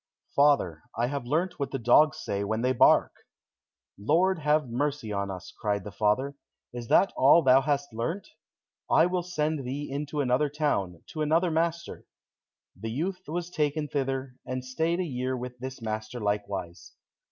"Father, I have learnt what the dogs say when they bark." "Lord have mercy on us!" cried the father; "is that all thou hast learnt? I will send thee into another town, to another master." The youth was taken thither, and stayed a year with this master likewise.